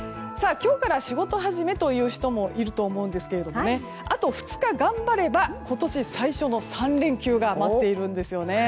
今日から仕事始めという人もいると思いますがあと２日頑張れば今年最初の３連休が待っているんですよね。